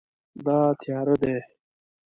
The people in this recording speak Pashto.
دا تیاره دی